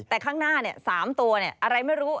แต่ข้างหน้า๓ตัวอะไรไม่รู้